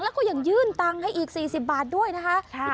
แล้วก็ยังยื่นตังค์ให้อีก๔๐บาทด้วยนะคะ